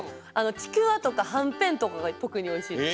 ちくわとかはんぺんとかがとくにおいしいです。